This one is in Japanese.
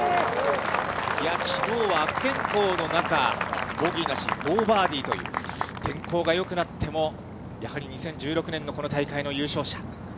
いやぁ、きのうは悪天候の中、ボギーなし、４バーディーという天候がよくなっても、やはり２０１６年のこの大会の優勝者。